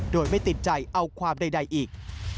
โดยไม่ติดใจเอาความใดอีก